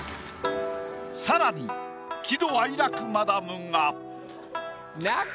更に喜怒哀楽マダムが。